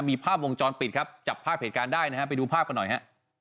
มีภาพวงจรปิดครับจับภาพเหตุการณ์ได้นะฮะไปดูภาพกันหน่อยฮะ